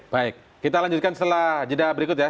baik kita lanjutkan setelah jeda berikut ya